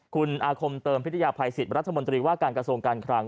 คุณอาคมเติมพิทยาภัยสิทธิ์รัฐมนตรีว่าการกระทรวงการคลัง